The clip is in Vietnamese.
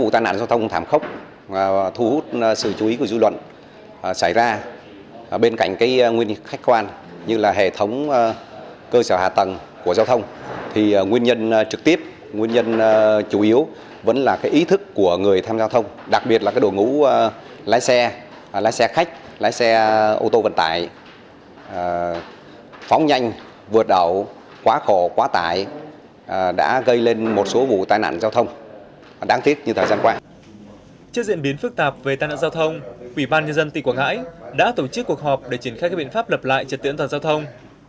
trước diễn biến phức tạp về tai nạn giao thông ubnd tỉnh quảng ngãi đã tổ chức cuộc họp để triển khai các biện pháp lập lại trật tiễn toàn giao thông